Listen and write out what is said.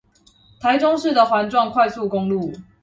臺中市的環狀快速公路